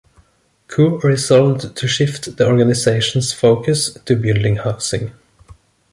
Koo resolved to shift the organizations focus to building housing.